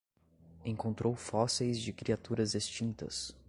Encontrou fósseis de criaturas extintas